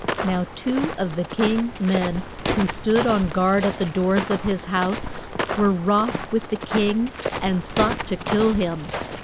Now two of the king's men, who stood on guard at the doors of his house, were wroth with the king and sought to kill him.